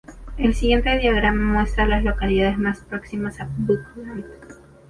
El siguiente diagrama muestra a las localidades más próximas a Buckland.